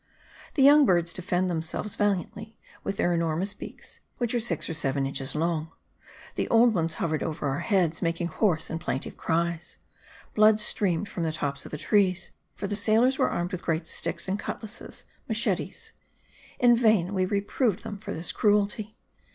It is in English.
The young birds defended themselves valiantly with their enormous beaks, which are six or seven inches long; the old ones hovered over our heads, making hoarse and plaintive cries. Blood streamed from the tops of the trees, for the sailors were armed with great sticks and cutlasses (machetes). In vain we reproved them for this cruelty.